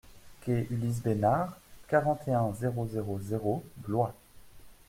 Quai Ulysse Besnard, quarante et un, zéro zéro zéro Blois